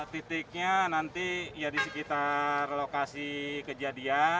titiknya nanti ya di sekitar lokasi kejadian